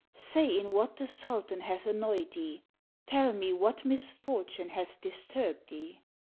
Say in what the sultan hath annoy'd thee? Tell me what misfortune hath disturb 'd thee?"